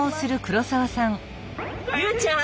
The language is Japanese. ゆうちゃん？